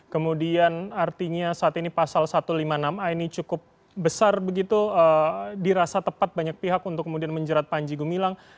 kemudian artinya saat ini pasal satu ratus lima puluh enam a ini cukup besar begitu dirasa tepat banyak pihak untuk kemudian menjerat panji gumilang